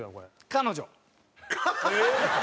彼女？